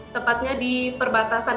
tepatnya di perbatasan